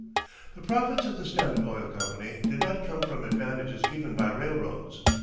The profits of the Standard Oil Company did not come from advantages given by railroads.